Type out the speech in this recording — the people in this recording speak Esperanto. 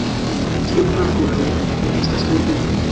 Tio ankoraŭ ne estas pruvita.